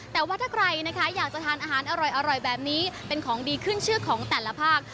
แต่ว่าถ้าใครนะคะอยากจะทานอาหารอร่อยแบบนี้เป็นของดีขึ้นชื่อของแต่ละภาค